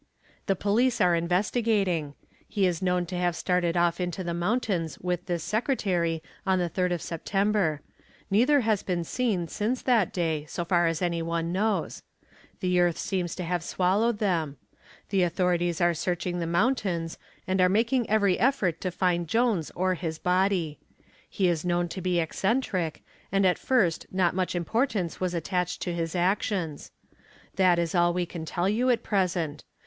"The police are investigating. He is known to have started off into the mountains with this secretary on the third of September. Neither has been seen since that day, so far as any one knows. The earth seems to have swallowed them. The authorities are searching the mountains and are making every effort to find Jones or his body. He is known to be eccentric and at first not much importance was attached to his actions. That is all we can tell you at present.